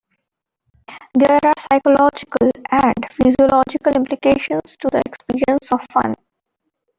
There are psychological and physiological implications to the experience of fun.